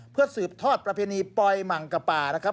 เพื่อสืบทอดประเพณีปล่อยหมังกะป่านะครับ